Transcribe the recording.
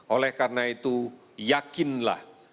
oleh karena itu yakinlah